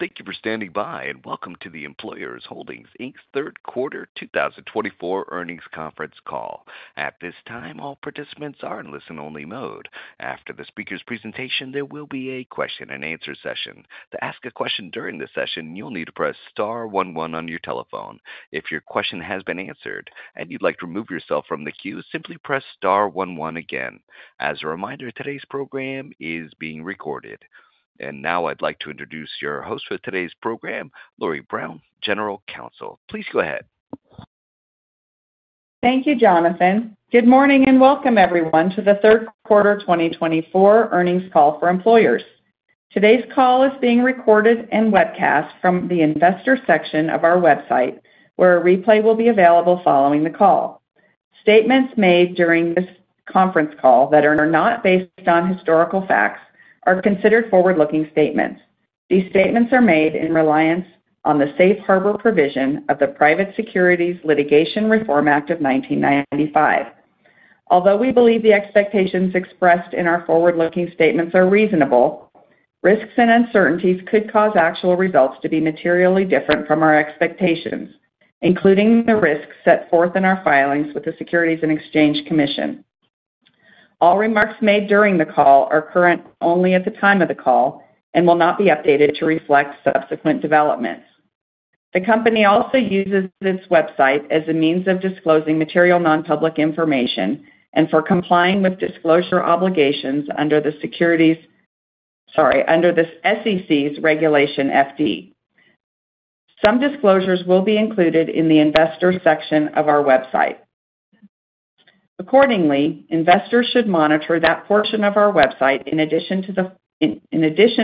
Thank you for standing by, and welcome to the Employers Holdings, Inc.'s third quarter 2024 earnings conference call. At this time, all participants are in listen-only mode. After the speaker's presentation, there will be a question-and-answer session. To ask a question during this session, you'll need to press star one one on your telephone. If your question has been answered and you'd like to remove yourself from the queue, simply press star 11 again. As a reminder, today's program is being recorded. And now I'd like to introduce your host for today's program, Lori Brown, General Counsel. Please go ahead. Thank you, Jonathan. Good morning and welcome, everyone, to the third quarter 2024 earnings call for Employers. Today's call is being recorded and webcast from the investor section of our website, where a replay will be available following the call. Statements made during this conference call that are not based on historical facts are considered forward-looking statements. These statements are made in reliance on the safe harbor provision of the Private Securities Litigation Reform Act of 1995. Although we believe the expectations expressed in our forward-looking statements are reasonable, risks and uncertainties could cause actual results to be materially different from our expectations, including the risks set forth in our filings with the Securities and Exchange Commission. All remarks made during the call are current only at the time of the call and will not be updated to reflect subsequent developments. The company also uses its website as a means of disclosing material nonpublic information and for complying with disclosure obligations under the Securities, sorry, under the SEC's Regulation FD. Some disclosures will be included in the investor section of our website. Accordingly, investors should monitor that portion of our website in addition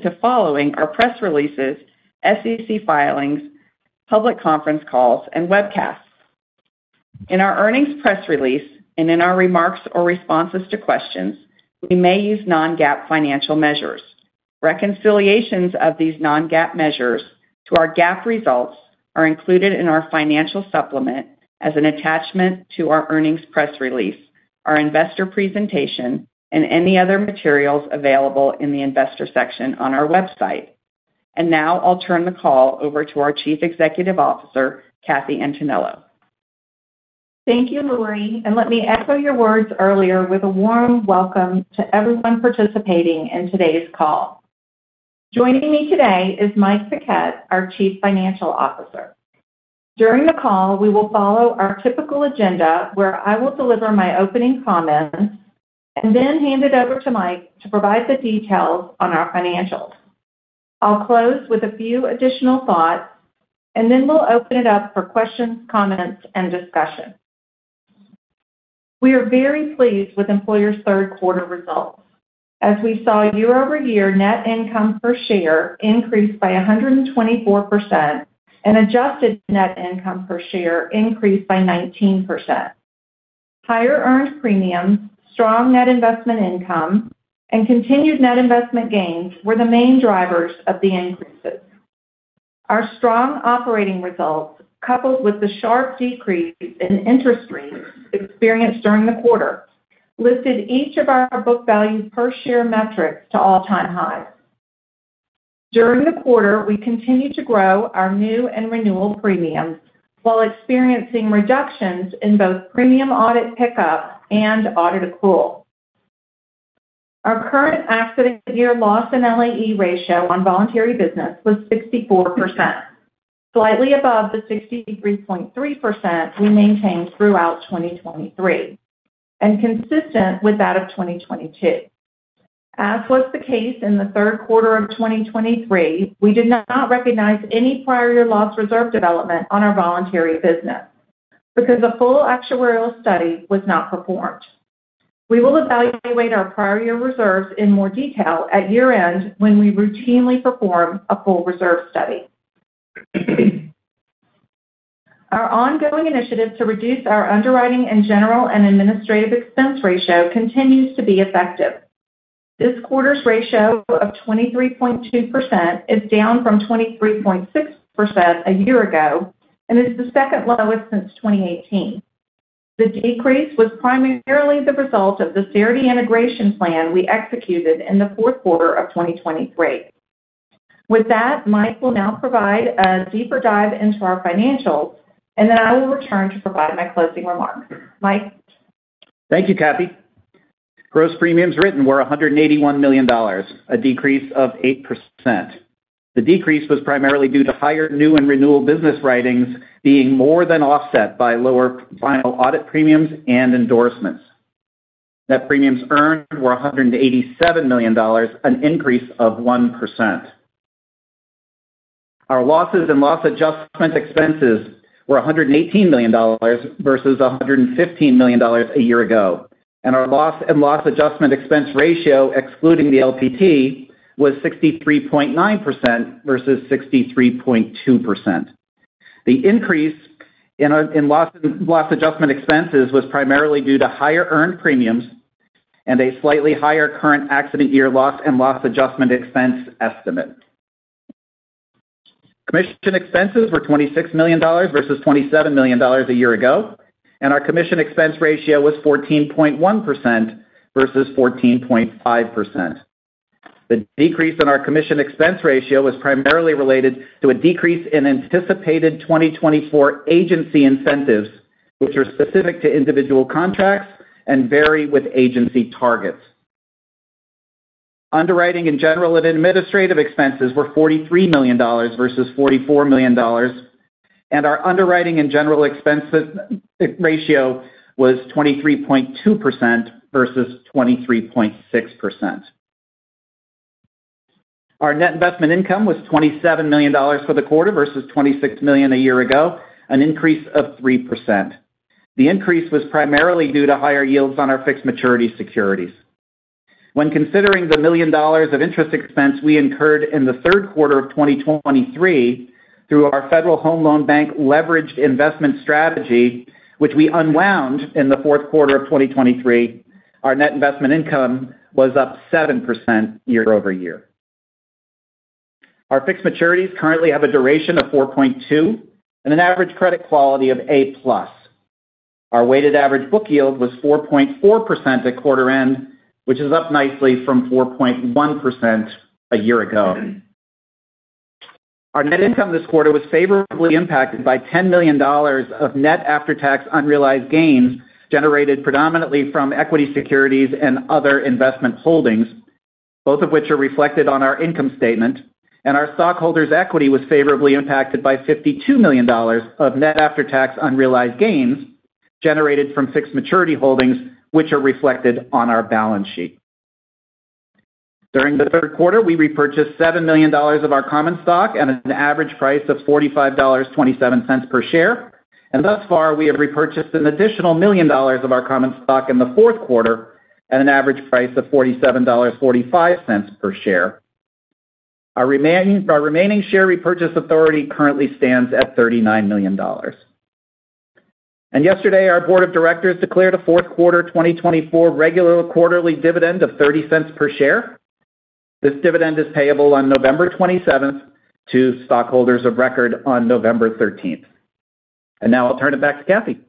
to following our press releases, SEC filings, public conference calls, and webcasts. In our earnings press release and in our remarks or responses to questions, we may use non-GAAP financial measures. Reconciliations of these non-GAAP measures to our GAAP results are included in our financial supplement as an attachment to our earnings press release, our investor presentation, and any other materials available in the investor section on our website. And now I'll turn the call over to our Chief Executive Officer, Kathy Antonello. Thank you, Lori. And let me echo your words earlier with a warm welcome to everyone participating in today's call. Joining me today is Mike Paquette, our Chief Financial Officer. During the call, we will follow our typical agenda, where I will deliver my opening comments and then hand it over to Mike to provide the details on our financials. I'll close with a few additional thoughts, and then we'll open it up for questions, comments, and discussion. We are very pleased with Employers' third-quarter results. As we saw year-over-year, net income per share increased by 124%, and adjusted net income per share increased by 19%. Higher earned premiums, strong net investment income, and continued net investment gains were the main drivers of the increases. Our strong operating results, coupled with the sharp decrease in interest rates experienced during the quarter, lifted each of our book value per share metrics to all-time highs. During the quarter, we continued to grow our new and renewal premiums while experiencing reductions in both premium audit pickup and audit accrual. Our current accident year loss and LAE ratio on voluntary business was 64%, slightly above the 63.3% we maintained throughout 2023 and consistent with that of 2022. As was the case in the third quarter of 2023, we did not recognize any prior year loss reserve development on our voluntary business because a full actuarial study was not performed. We will evaluate our prior year reserves in more detail at year-end when we routinely perform a full reserve study. Our ongoing initiative to reduce our underwriting and general and administrative expense ratio continues to be effective. This quarter's ratio of 23.2% is down from 23.6% a year ago and is the second lowest since 2018. The decrease was primarily the result of the Cerity integration plan we executed in the fourth quarter of 2023. With that, Mike will now provide a deeper dive into our financials, and then I will return to provide my closing remarks. Mike. Thank you, Kathy. Gross premiums written were $181 million, a decrease of 8%. The decrease was primarily due to higher new and renewal business writings being more than offset by lower final audit premiums and endorsements. Net premiums earned were $187 million, an increase of 1%. Our losses and loss adjustment expenses were $118 million versus $115 million a year ago. Our loss and loss adjustment expense ratio, excluding the LPT, was 63.9% versus 63.2%. The increase in loss adjustment expenses was primarily due to higher earned premiums and a slightly higher current accident year loss and loss adjustment expense estimate. Commission expenses were $26 million versus $27 million a year ago, and our commission expense ratio was 14.1% versus 14.5%. The decrease in our commission expense ratio was primarily related to a decrease in anticipated 2024 agency incentives, which are specific to individual contracts and vary with agency targets. Underwriting and general and administrative expenses were $43 million versus $44 million, and our underwriting and general expense ratio was 23.2% versus 23.6%. Our net investment income was $27 million for the quarter versus $26 million a year ago, an increase of 3%. The increase was primarily due to higher yields on our fixed maturity securities. When considering the $1 million of interest expense we incurred in the third quarter of 2023 through our Federal Home Loan Bank leveraged investment strategy, which we unwound in the fourth quarter of 2023, our net investment income was up 7% year-over-year. Our fixed maturities currently have a duration of 4.2 and an average credit quality of A+. Our weighted average book yield was 4.4% at quarter end, which is up nicely from 4.1% a year ago. Our net income this quarter was favorably impacted by $10 million of net after-tax unrealized gains generated predominantly from equity securities and other investment holdings, both of which are reflected on our income statement, and our stockholders' equity was favorably impacted by $52 million of net after-tax unrealized gains generated from fixed maturity holdings, which are reflected on our balance sheet. During the third quarter, we repurchased $7 million of our common stock at an average price of $45.27 per share, and thus far, we have repurchased an additional $1 million of our common stock in the fourth quarter at an average price of $47.45 per share. Our remaining share repurchase authority currently stands at $39 million. Yesterday, our Board of Directors declared a fourth quarter 2024 regular quarterly dividend of $0.30 per share. This dividend is payable on November 27th to stockholders of record on November 13th. Now I'll turn it back to Kathy.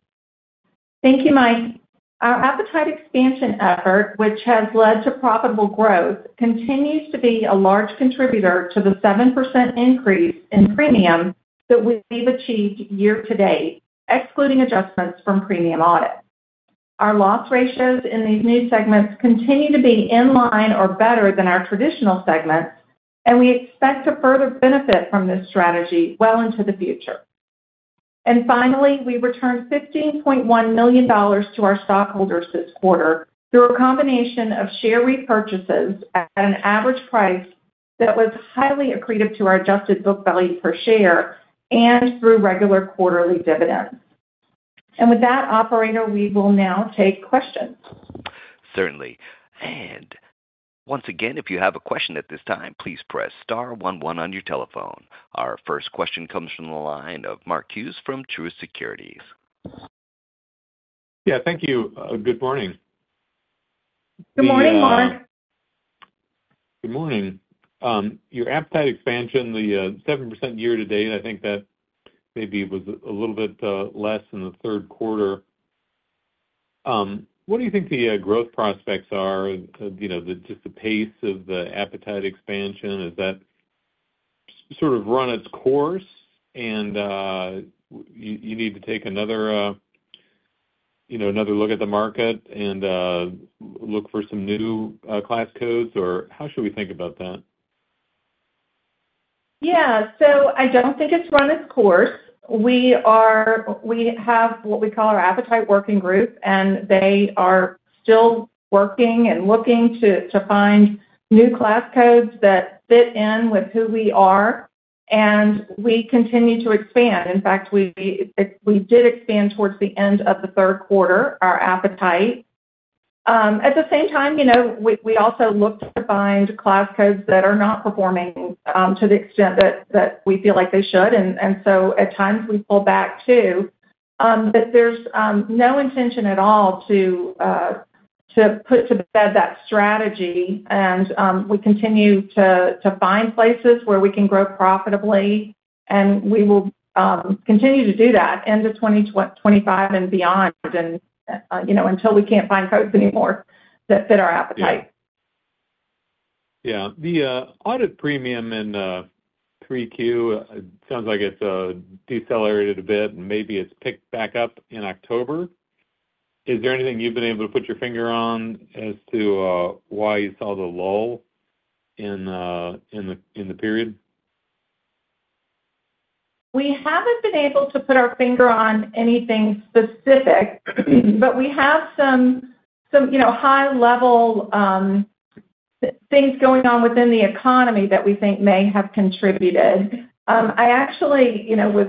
Thank you, Mike. Our appetite expansion effort, which has led to profitable growth, continues to be a large contributor to the 7% increase in premium that we've achieved year-to-date, excluding adjustments from premium audit. Our loss ratios in these new segments continue to be in line or better than our traditional segments, and we expect to further benefit from this strategy well into the future. And finally, we returned $15.1 million to our stockholders this quarter through a combination of share repurchases at an average price that was highly accretive to our adjusted book value per share and through regular quarterly dividends. And with that, operator, we will now take questions. Certainly. And once again, if you have a question at this time, please press star one one on your telephone. Our first question comes from the line of Mark Hughes from Truist Securities. Yeah, thank you. Good morning. Good morning, Mark. Good morning. Your appetite expansion, the 7% year-to-date, I think that maybe was a little bit less in the third quarter. What do you think the growth prospects are? Just the pace of the appetite expansion has that sort of run its course, and you need to take another look at the market and look for some new class codes, or how should we think about that? Yeah, so I don't think it's run its course. We have what we call our Appetite Working Group, and they are still working and looking to find new class codes that fit in with who we are, and we continue to expand. In fact, we did expand towards the end of the third quarter our appetite. At the same time, we also look to find class codes that are not performing to the extent that we feel like they should. And so at times, we pull back too. But there's no intention at all to put to bed that strategy, and we continue to find places where we can grow profitably, and we will continue to do that end of 2025 and beyond until we can't find codes anymore that fit our appetite. Yeah. The audit premium in 3Q, it sounds like it's decelerated a bit, and maybe it's picked back up in October. Is there anything you've been able to put your finger on as to why you saw the lull in the period? We haven't been able to put our finger on anything specific, but we have some high-level things going on within the economy that we think may have contributed. I actually was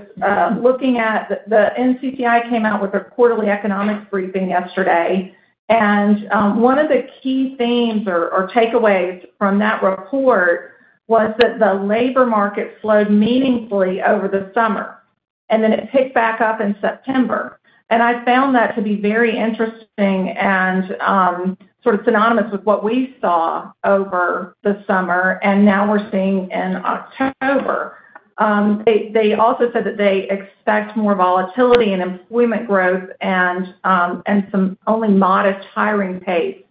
looking at the NCCI came out with a quarterly economic briefing yesterday, and one of the key themes or takeaways from that report was that the labor market slowed meaningfully over the summer, and then it picked back up in September, and I found that to be very interesting and sort of synonymous with what we saw over the summer, and now we're seeing in October. They also said that they expect more volatility in employment growth and some only modest hiring pace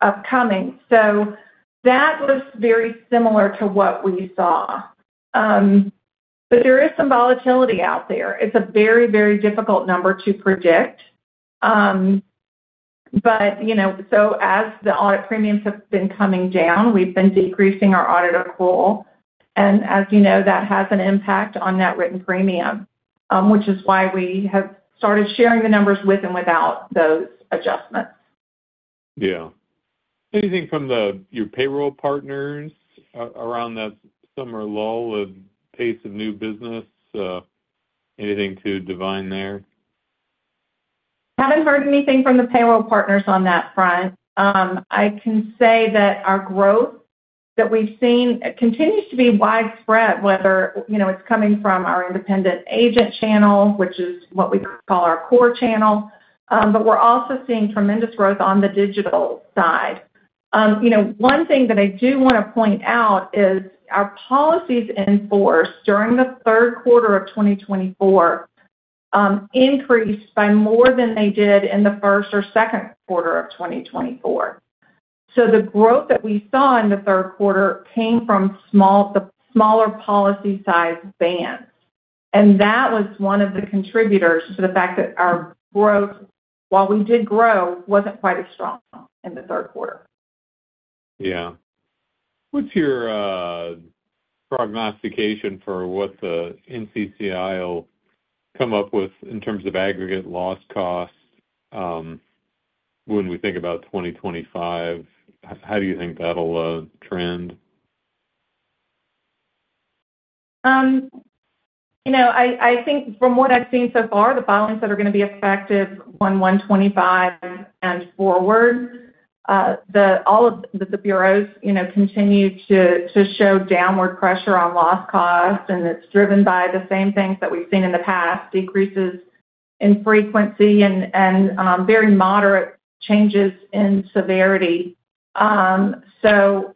upcoming, so that was very similar to what we saw, but there is some volatility out there. It's a very, very difficult number to predict. But so as the audit premiums have been coming down, we've been decreasing our audit accrual. And as you know, that has an impact on net written premium, which is why we have started sharing the numbers with and without those adjustments. Yeah. Anything from your payroll partners around that summer lull of pace of new business? Anything to divine there? Haven't heard anything from the payroll partners on that front. I can say that our growth that we've seen continues to be widespread, whether it's coming from our independent agent channel, which is what we call our core channel. But we're also seeing tremendous growth on the digital side. One thing that I do want to point out is our policies in force during the third quarter of 2024 increased by more than they did in the first or second quarter of 2024. So the growth that we saw in the third quarter came from the smaller policy size bands. And that was one of the contributors to the fact that our growth, while we did grow, wasn't quite as strong in the third quarter. Yeah. What's your prognostication for what the NCCI will come up with in terms of aggregate loss costs when we think about 2025? How do you think that'll trend? I think from what I've seen so far, the filings that are going to be effective on 1/25 and forward, all of the bureaus continue to show downward pressure on loss costs, and it's driven by the same things that we've seen in the past: decreases in frequency and very moderate changes in severity. So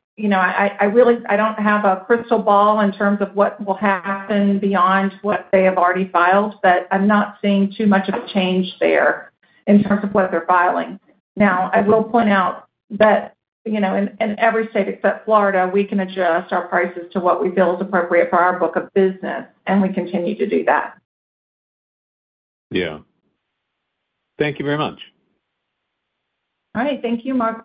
I don't have a crystal ball in terms of what will happen beyond what they have already filed, but I'm not seeing too much of a change there in terms of what they're filing. Now, I will point out that in every state except Florida, we can adjust our prices to what we feel is appropriate for our book of business, and we continue to do that. Yeah. Thank you very much. All right. Thank you, Mark.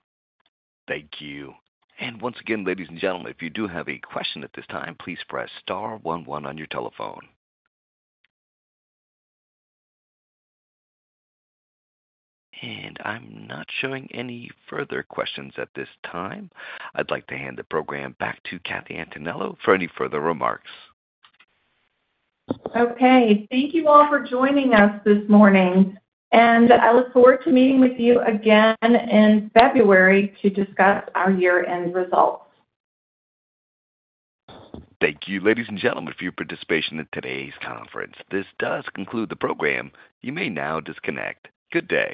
Thank you. And once again, ladies and gentlemen, if you do have a question at this time, please press star one one on your telephone. And I'm not showing any further questions at this time. I'd like to hand the program back to Kathy Antonello for any further remarks. Okay. Thank you all for joining us this morning, and I look forward to meeting with you again in February to discuss our year-end results. Thank you, ladies and gentlemen, for your participation in today's conference. This does conclude the program. You may now disconnect. Good day.